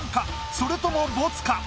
それともボツか？